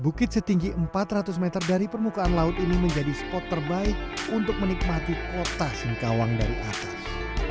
bukit setinggi empat ratus meter dari permukaan laut ini menjadi spot terbaik untuk menikmati kota singkawang dari atas